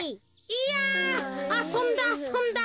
いやあそんだあそんだ。